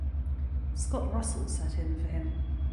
Scott Russell sat in for him.